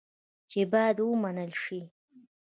چې باید ومنل شي.